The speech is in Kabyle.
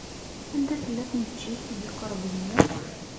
Anda tella tneččit ay d-iqerben akk?